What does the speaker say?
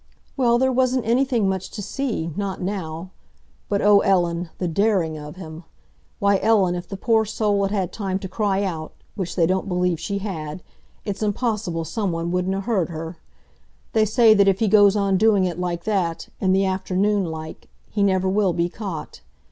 "Well, there wasn't anything much to see—not now. But, oh, Ellen, the daring of him! Why, Ellen, if the poor soul had had time to cry out—which they don't believe she had—it's impossible someone wouldn't 'a heard her. They say that if he goes on doing it like that—in the afternoon, like—he never will be caught.